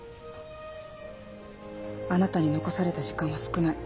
あなたに残された時間は少ない。